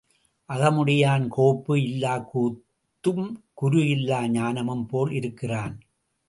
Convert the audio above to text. அகமுடையான் கோப்பு இல்லாக் கூத்தும் குரு இல்லா ஞானமும் போல் இருக்கிறான்.